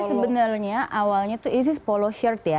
sebenarnya awalnya tuh ini polo shirt ya